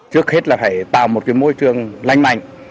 trước hết là phải tạo một môi trường lanh mạnh